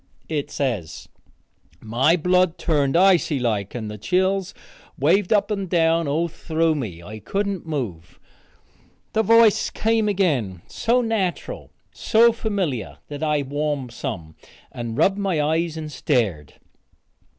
it says. My blood turned icy like and the chills waved up and down all through me. I couldn't move. The voice came again, so natural, so familiar, that I warmed some, and rubbed my eyes and stared.